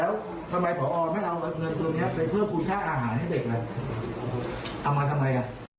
เอามาทำไง